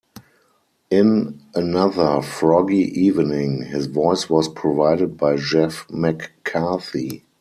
In "Another Froggy Evening", his voice was provided by Jeff McCarthy.